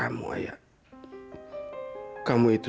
aduh dia faruh kita